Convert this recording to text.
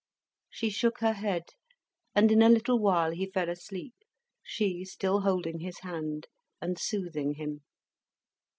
She shook her head, and in a little while he fell asleep, she still holding his hand, and soothing him.